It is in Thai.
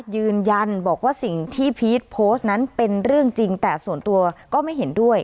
ยืนยันบอกว่าสิ่งที่พีชโพสต์นั้นเป็นเรื่องจริงแต่ส่วนตัวก็ไม่เห็นด้วย